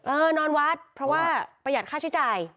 นอนวัดเพราะว่าประหยัดค่าใช้จ่าย